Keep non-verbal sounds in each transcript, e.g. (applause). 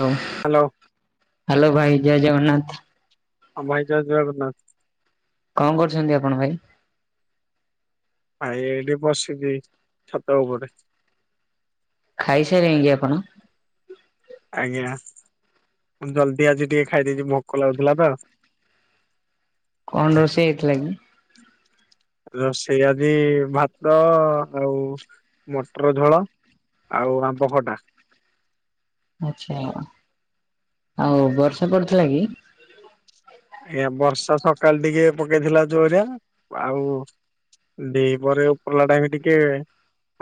ହଁ। Hello. Hello ଭାଇ ଜୟ ଜଗନ୍ନାଥ। ହଁ ଭାଇ ଜୟ ଜଗନ୍ନାଥ। କଣ କରୁଛନ୍ତି ଆପଣ ଭାଇ? ଭାଇ ଏଇଠି ବସିଚି ଛାତ ଉପରେ। ଖାଇସାରିଲେଣି କିି ଆପଣ? ଆଜ୍ଞା ମୁ ଜଲଦି ଆଜି ଟିକେ ଖାଇଦେଇଛି ଭୋକ ଲାଗୁଥିଲା ତ କଣ ରୋଷେଇ ହେଇଥିଲା କି? ରୋଷେଇ ଆଜି ଭାତ ଆଉ ମଟର ଝୋଳ ଆଉ ଆମ୍ବଖଟା। ଆଛା ଆଉ ବର୍ଷା ପଡୁଥିଲା କି? ଆ ବର୍ଷା ତ କାଲି ଟିକେ ପକେଇଥିଲା ଜୋରିଆ ଆଉ ଦି ପହରେ ଉପରଲା ଟାଇମ୍ ବି ଟିକେ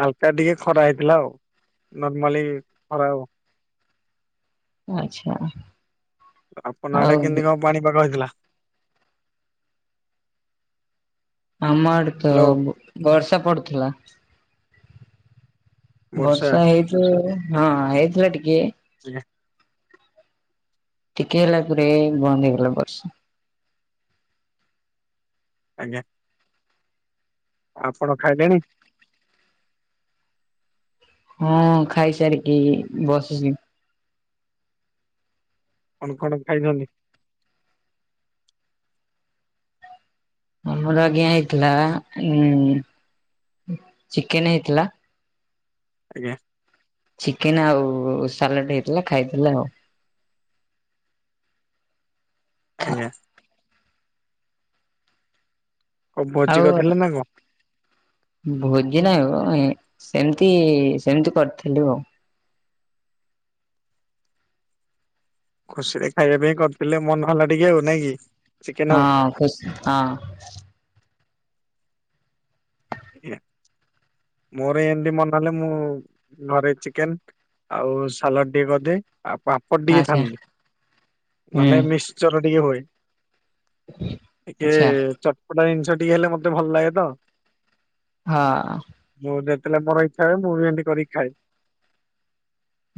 ହାଲକା ଟିକେ ଖରା ହେଇଥିଲା ଆଉ ନର୍ମାଲି ଖରା ଆଉ ଆଚ୍ଛା। ଆପଣ ଆଉ ଆଡେ କେମିତି କଣ ପାଣିପାଗ ହେଇଥିଲା? ଆମ ଆଡେ ତ ହ୍ୟାଲୋ ବର୍ଷା ପଡୁଥିଲା। ବର୍ଷା ହେଇଥିଲ ହଁ ହେଇଥିଲା ଟିକେ ଆଜ୍ଞା। ଟିକେ ହେଲା ପରେ ବନ୍ଦ ହେଇଗଲା ବର୍ଷା। ଆଜ୍ଞା। ଆପଣ ଖାଇଲେଣି? ହଁ ଖାଇସାରିକି ବସିଛି। କଣ କଣ ଖାଇଛନ୍ତି? ଆମର ଆଜ୍ଞା ହେଇଥିଲା ଉ ଚିକେନ ହେଇଥିଲା। ଆଜ୍ଞା। ଚିକେନ ଆଉ ସାଲାଡ଼ ହେଇଥିଲା ଖାଇଥିଲା ଆଉ ଆଜ୍ଞା। କଣ ଭୋଜି ଆଉ କରିଥିଲେ ନା କଣ? ଭୋଜି ନାହିଁ ମ ସେମିତି ସେମିତି କରିଥିଲୁ ଆଉ ଖୁସିରେ ଖାଇବା ପାଇଁ କରିଥିଲେ ମନ ହେଲା ଟିକେ ଆଉ ନାଇଁ କି? ଚିକେନ ଆଉ ହଁ ଖୁସି ହଁ। ମୋର ଏମତି ମନ ହେଲେ ମୁଁ ଘରେ ଚିକେନ ଆଉ ସାଲଡ଼ ଟିକେ କରିଦିଏ ଆଉ ପାମ୍ପଡ଼ ଟିକେ ଆଚ୍ଛା ଛାଣିଦିଏ ହୁଁ ନହେଲେ ମିକ୍ସ ଚର ଟିକେ ହୁଏ ଟିକେ ଆଚ୍ଛା ଚର ଚଟ୍ପଟା ଜିନିଷ ଟିକେ ହେଲେ ମତେ ଭଲ ଲାଗେ ତ ହଁ। ମୁଁ ଯେତେବେଳେ ମୋର ଇଛା ହୁଏ ମୁଁ ଏମତି କରିକି ଖାଏ।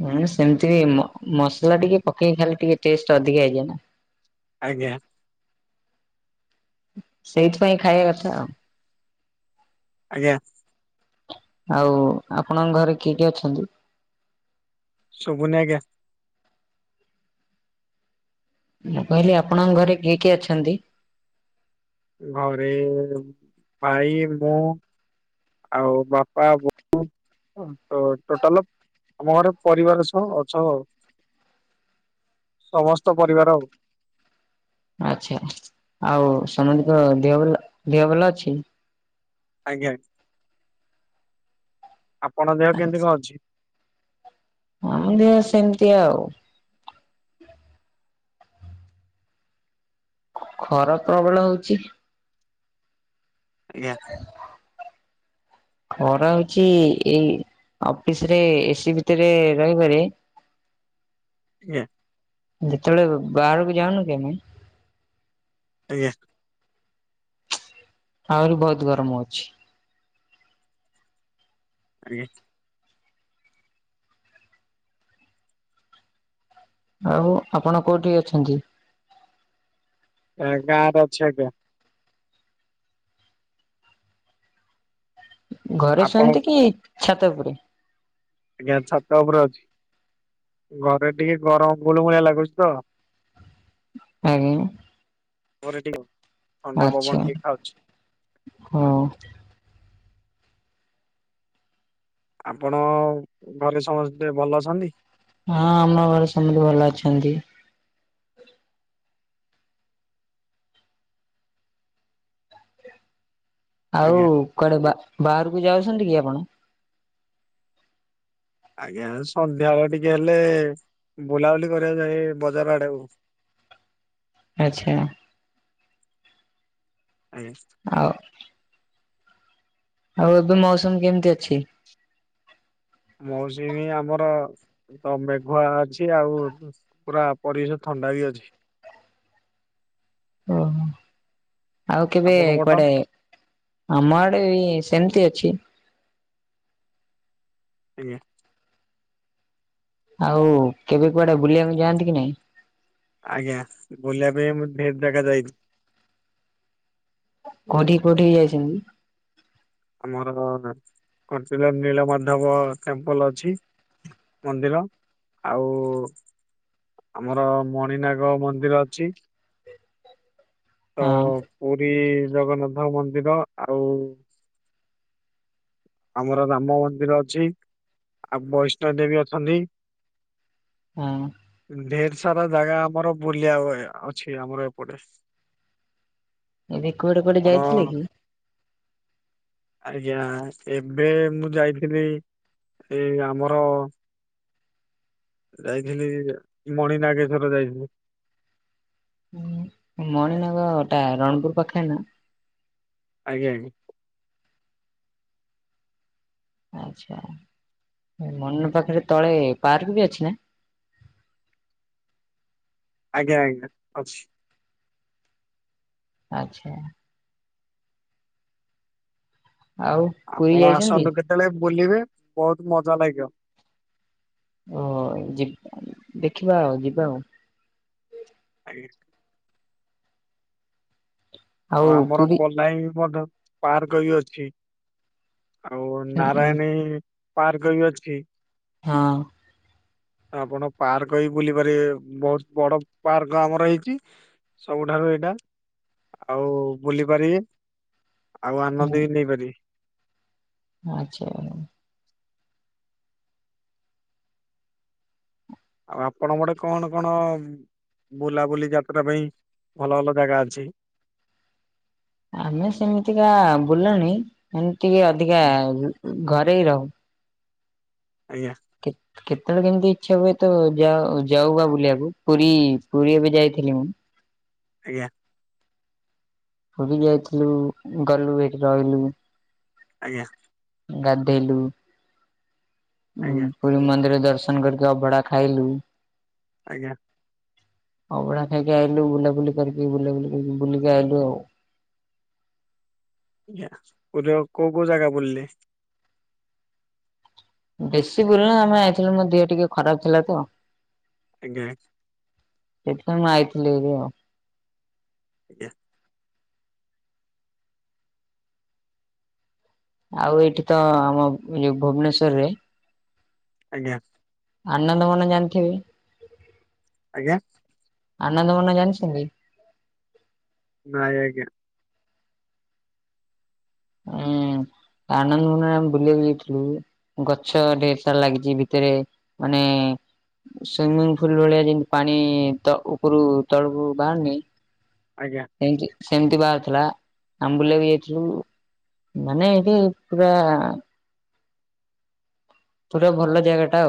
ହୁଁ ସେମିତି ବି ମସଲା ଟିକେ ପକେଇକି ଖାଲେ ଟିକେ ଟେଷ୍ଟ ଅଧିକା ହେଇଯାଏନା। ଆଜ୍ଞା। ସେଇଥିପାଇଁ ଖାଇବା କଥା ଆଉ ଆଜ୍ଞା। ଆଉ ଆପଣଙ୍କ ଘରେ କିଏ କିଏ ଅଛନ୍ତି? ସୁବୁନି ଆଜ୍ଞା। ମୁଁ କହିଲି ଆପଣଙ୍କ ଘରେ କିଏ କିଏ ଅଛନ୍ତି? ଘରେ ଭାଇ ମୁଁ ଆଉ ବାପା ବୋଉ। ତ ଟୋଟାଲ ଆମ ଘରେ ପରିବାର ସହ ଛ ଆଉ ସମସ୍ତ ପରିବାର ଆଉ ଆଚ୍ଛା ଆଉ ସମସ୍ତିଙ୍କ ଦେହଲ ଦେହ ଭଲ ଅଛି। ଆଜ୍ଞା। ଆପଣଙ୍କ ଦେହ କେମିତି କଣ ଅଛି? ହଁ ଦେହ ସେମିତି ଆଉ ଖରା ପ୍ରବଳ ହଉଛି। ଆଜ୍ଞା। (inaudible) ଖରା ହଉଛି ଏଇ ଅଫିସ ରେ ଏସି ଭିତରେ ରହିବାରେ ଆଜ୍ଞା ଯେତେବେଳେ ବାହାରକୁ ଯାଉନୁ କି ଆମେ ଆଜ୍ଞା ଆହୁରି ବହୁତ ଗରମ ହଉଛି। ଆଜ୍ଞା ଆଉ ଆପଣ କୋଉଠି ଅଛନ୍ତି? ଏ ଗାଁ ରେ ଅଛି ଆଜ୍ଞା। ଘରେ ଆପଣ ଶୁଅନ୍ତି କି ଛାତ ଉପୁରେ? ଆଜ୍ଞା ଛାତ ଉପରେ ଅଛି। ଘରେ ଟିକେ ଗରମ ଗୁଳଗୁଳିଆ ଲାଗୁଛି ତ। ହାଲୋ (unintelligible) ଥଣ୍ଡା ପବନ ଆଚ୍ଛା ଟିକେ ଖାଉଛି। ହୁଁ। ଆପଣ ଘରେ ସମସ୍ତେ ଭଲ ଅଛନ୍ତି? ହଁ ଆମ ଘରେ ସମସ୍ତେ ଭଲ ଅଛନ୍ତି। ଆଉ ଆଜ୍ଞା କୁଆଡେ ବା ବାହାରକୁ ଯାଉଛନ୍ତି କି ଆପଣ? ଆଜ୍ଞା ସନ୍ଧ୍ୟାବେଳେ ଟିକେ ହେଲେ ବୁଲାବୁଲି କରିବା ଯାଏ ବଜାର ଆଡେ ଆଉ। ଆଚ୍ଛା ଆଜ୍ଞା ଆଉ ଆଉ ଏବେ ମୌସମ କେମିତି ଅଛି? ମୌସୁମୀ ଆମର ତ ମେଘୁଆ ଅଛି ଆଉ ପୁରା ପରିବେଶ ଥଣ୍ଡା ବି ଅଛି। ଓହୋ ଆଉ କେବେ ଆପଣଙ୍କ ପଟ? କୁଆଡେ ଆମ ଆଡେ ବି ସେମିତି ଅଛି। ଆଜ୍ଞା ଆଉ କେବେ କୁଆଡେ ବୁଲିବାକୁ ଯାଆନ୍ତି କି ନାଇଁ? ଆଜ୍ଞା ବୁଲିବା ପାଇଁ ମୁଁ ଢେର୍ ଜାଗା ଯାଇଚି। କୋଉଠିକି କୋଉଠିକି ଯାଇଛନ୍ତି? ଆମର କଣ୍ଟିଳ ନୀଳମାଧବ ଟେମ୍ପଲ ଅଛି। ମନ୍ଦିର ଆଉ ଆମର ମଣିନାଗ ମନ୍ଦିର ଅଛି। ତ ହଁ ପୁରୀ ଜଗନ୍ନାଥ ମନ୍ଦିର ଆଉ ଆମର ରାମ ମନ୍ଦିର ଅଛି ଆଉ ବୈଷ୍ଣବ ଦେବୀ ଅଛନ୍ତି। ହଁ। ଢେର ସାରା ଜାଗା ଆମର ବୁଲିବା ଅଛି ଆମର ଏପଟେ। ଏବେ କୁଆଡେ କୋଆଡେ ଆପଣ ଯାଇଥିଲେ କି। ଆଜ୍ଞା ଏବେ ମୁଁ ଯାଇଥିଲି ଏ ଆମର। ଯାଇଥିଲି ମଣି ନାଗେଶ୍ଵର ଯାଇଥିଲି। ମଣି ନଗଟା ରଣପୁର ପାଖରେ ନା। ଆଜ୍ଞା ଆଜ୍ଞା। ଆଛା ମନ ପାଖରେ ତଳେ ପାର୍କ ବି ଅଛି ନା? ଆଜ୍ଞା ଆଜ୍ଞା ଅଛି। ଆଚ୍ଛା। ଆଉ ପୁରୀ ଆପଣ ଯାଇଛନ୍ତି? ଆସନ୍ତୁ କେତେବେଳେ ବୁଲିବେ ବହୁତ ମଜା ଲାଗିବ। ଓ ଯିବା ଦେଖିବା ଆଉ ଯିବା ଆଉ। ଆଜ୍ଞା। ଆଉ ଆମର ବଲାଇ ମଧ୍ୟ ପାର୍କ ବି ଅଛି। ଆଉ ଉଁ ଉଁ ନାରାୟଣୀ ପାର୍କ ବି ଅଛି। ହଁ। ଆପଣ ପାର୍କ ବି ବୁଲିପାରିବେ। ବହୁତ ବଡ ପାର୍କ ଆମର ହେଇଚି। ସବୁଠାରୁ ଏଇଟା ଆଉ ବୁଲି ପାରିବେ। ଆଉ ଆନନ୍ଦ ହୁଁ ବି ନେଇପାରିବେ। ଆଚ୍ଛା। ଆଉ ଆପଣଙ୍କ ଆଡେ କଣ କଣ ବୁଲାବୁଲି ଯାତ୍ରା ପାଇଁ ଭଲ ଭଲ ଜାଗା ଅଛି? ଆମେ ସେମିତିକା ବୁଲଣି ଏମିତି ଟିକେ ଅଧିକା ଘରେ ରହୁ। ଆଜ୍ଞା। ଠିକ୍। କେତେବେଳେ କେମିତି ଇଚ୍ଛା ହୁଏ ତ ଯାଉ ଯାଉ ବା ବୁଲିବାକୁ ପୁରୀ ପୁରୀ ଏବେ ଯାଇଥିଲି ମୁଁ। ଆଜ୍ଞା। ପୁରୀ ଯାଇଥିଲୁ ଗଲୁ ସେଠି ରହିଲୁ। ଆଜ୍ଞା। ଗାଧେଇଲୁ। ହଁ ଆଜ୍ଞା ପୁରୀ ମନ୍ଦିର ଦର୍ଶନ କରିକି ଅଭଡା ଖାଇଲୁ। ଆଜ୍ଞା। ଅବଢ଼ା ଖାଇକି ଆଇଲୁ। ବୁଲାବୁଲି କରିକି ବୁଲାବୁଲି କରିକି ବୁଲିକି ଆଇଲୁ ଆଉ। ଆଜ୍ଞା ପୁରୀର ଆଉ କୋଉ କୋଉ ଜାଗା ବୁଲିଲେ? ବେଶୀ ବୁଲନୁ ଆମେ ଯାଇଥିଲୁ, ମୋ ଦେହ ଟିକେ ଖରାପ ଥିଲା ତ। ଆଜ୍ଞା। ସେଇଥି ପାଇଁ ଆଇଥିଲି ହରି ଆଉ। ଆଜ୍ଞା। ଆଉ ଏଇଠି ତ ଆମ ଯୋଉ ଭୁବନେଶ୍ଵର ରେ ଆଜ୍ଞା। ଆନନ୍ଦ ମନ ଜାଣିଥିବେ। ଆଜ୍ଞା। ଆନନ୍ଦ ବନ ଜାଣିଛନ୍ତି? ନାଇଁ ଆଜ୍ଞା। ହୁଁ ଆନନ୍ଦ ବନ ଆମେ ବୁଲିବାକୁ ଯାଇଥିଲୁ। ଗଛ ଢେର ସାରା ଲାଗିଚି ଭିତରେ ମାନେ ସୁଇମିଂ ପୁଲ ଭଳିଆ ଯେମତି ପାଣି ଉପରୁ ତଳକୁ ବାହାରନି ଆଜ୍ଞା। ଏମତି ସେମିତି ବାହାରିଥିଲା। ଆମ୍ବୁଲି ବି ଯାଇଥିଲୁ। ମାନେ ଏଇଠି ପୁରା ଗୋଟେ ଭଲ ଜାଗା ଟା।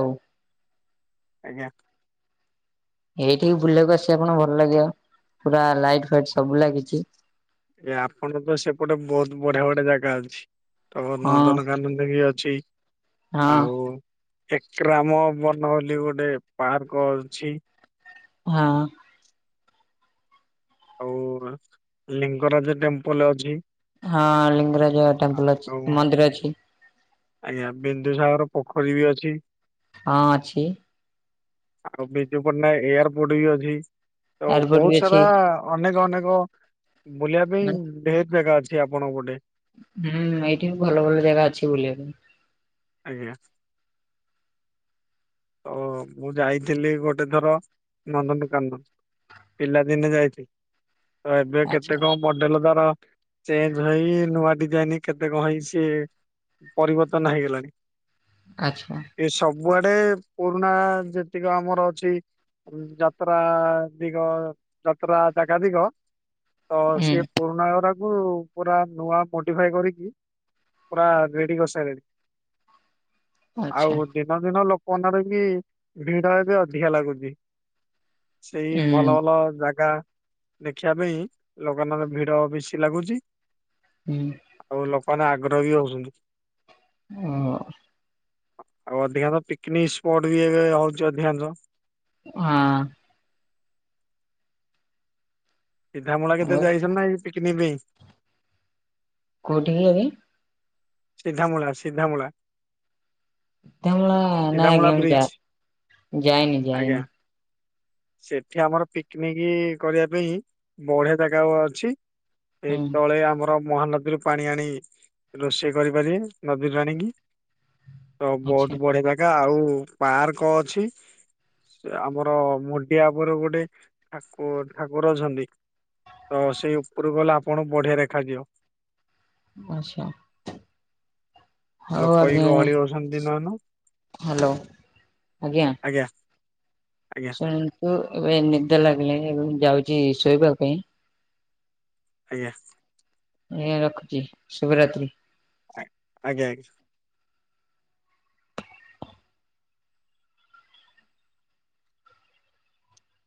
ଆଜ୍ଞା। (inaudible) ଏଇଠିକି ବୁଲିବାକୁ ଆସିବେ ଆପଣଙ୍କୁ ଭଲ୍ ଲାଗିବ। ପୁରା ଲାଇଟ୍ ଫାଇଟ୍ ସବୁ ଲାଗିଚି। ଏ ଆପଣଙ୍କର ତ ସେପଟେ ବୋହୁତ୍ ବଢିଆ ବଢିଆ ଜାଗା ଅଛି। ତମର ହଁ ନନ୍ଦନକାନନ ବି ଅଛି। ହଁ ଆଉ ଏକ୍ରାମ ବନ ବୋଲି ଗୋଟେ ପାର୍କ ଅଛି। ହଁ। ଆଉ ଲିଙ୍ଗରାଜ ଟେମ୍ପଲ୍ ଅଛି। ହଁ ଲିଙ୍ଗରାଜ ଟେମ୍ପଲ୍ ଅଛି ଆଉ ମନ୍ଦିର ଅଛି। ଆଜ୍ଞା ବିନ୍ଦୁସାଗର ପୋଖରୀ ବି ଅଛି। ହଁ ଅଛି। ଆଉ ବିଜୁ ପଟ୍ଟନାୟକେ ଏୟାରପୋର୍ଟ ବି ଅଛି। ତ ଏୟାରପୋର୍ଟ ବି ବହୁତ୍ ଅଛି ସାରା ଅନେକ ଅନେକ ବୁଲିବା ପାଇଁ ମାନେ ଢେର୍ ଜାଗା ଅଛି ଆପଣଙ୍କ ପଟେ। ହୁଁ ଏଇଠି ଭଲ ଭଲ ଜାଗା ଅଛି ବୁଲିବା ପାଇଁ। ଆଜ୍ଞା। ଓ ମୁଁ ଯାଇଥିଲି ଗୋଟେ ଥର ନନ୍ଦନକାନ୍ଦନ। ପିଲାଦିନେ ଯାଇଥିଲି ତ ଏବେ ଆଚ୍ଛା କେତେ କମ ମଡେଲ ତାର ଚେଞ୍ଜ ହେଇ ନୂଆ ଡିଜାଇନି କେତେ କଣ ହେଇଚି। ପରିବର୍ତ୍ତନ ହେଇଗଲାଣି। ଆଚ୍ଛା। ଏ ସବୁ ଆଡେ ପୁରୁଣା ଯେତିକ ଆମର ଅଛି। ଯାତ୍ରା ଦିଗ ଯାତ୍ରା ଜାଗା ତିକ ତ ସେ ହୁଁ ପୁରୁଣା ଓରା ହୁଁ ପୁରା ନୂଆ ମୋଡିଫାଏ କରିକି ପୁରା ରେଡି କରି ସାରିଲେଣି। ଆଉ ଆଚ୍ଛା (unintelligible) ଦିନ ଦିନ ଲୋକ ମାନଙ୍କର ବି ଭିଡ ଏବେ ଅଧିକା ଲାଗୁଚି। ସେଇ ଭଲ ହୁଁ ଭଲ ଜାଗା ଦେଖିବା ପାଇଁ ଲୋକମାନଙ୍କ ଭିଡ ବେଶୀ ଲାଗୁଚି। ହୁଁ। ଆଉ ଲୋକମାନେ ଆଗ୍ରହ ବି ହୋଉଚନ୍ତି। ହଁ। ଆଉ ଅଧିକାଂଶ ପିକନିକ୍ ସ୍ପଟ୍ ବି ଏବେ ହୋଉଚି ଅଧିକାଂଶ। ହଁ। ସିଧାମୂଳା କେତେ ଯାଇଚନ୍ତି ନା ଏଇ ପିକିନିକ୍ ପାଇଁ? କୋଉଠି କି ଏଇ? ସିଧାମୂଳା ସିଧାମୂଳା। ସିଧାମୂଳା ନାଇଁ ସିଧାମୂଳା ଆଜ୍ଞା ବ୍ରିଜ। ମୁଁ ଯା-ଯାଇନି ଆଜ୍ଞା ଯାଇନି। ସେଠି ଆମର ପିକିନିକ୍ କରିବା ପାଇଁ ବଢିଆ ଜାଗା ଆମର ଅଛି। ସେ ହୁଁ। ତଳେ ଆମର ମହାନଦୀରୁ ପାଣି ଆଣି ରୋଷେଇ କରିପାରିବେ ନଦୀରୁ ଆଣିକି ତ ଆଚ୍ଛା ବୋହୁତ ବଢିଆ ଜା ଗା ଆଉ ପାର୍କ ଅଛି। ସେ ଆମର ମୋ ଏୟା ଉପରେ ଗୋଟେ ଠାକୁ-ଠାକୁର ଅଛନ୍ତି। ତ ସେଇ ଉପରକୁ ଗଲେ ଆପଣଙ୍କୁ ବଢିଆ ଦେଖାଯିବ। ଆଚ୍ଛା। ହୋଉ ଲୋକ ଏଇ ଆଜ୍ଞା। ଗହଳି ହଉଛନ୍ତି ଦିନମାନ ହାଲୋ ଆଜ୍ଞା। ଆଜ୍ଞା ଶୁଣନ୍ତୁ ଏବେ ନିଦ ଲାଗିଲାଣି ଏବେ ମୁଁ ଯାଉଚି ଶୋଇବା ପାଇଁ। ଆଜ୍ଞା। ଆଜ୍ଞା ରଖୁଚି ଶୁଭରାତ୍ରୀ। ଆକ୍ ଆଜ୍ଞା ଆଜ୍ଞା।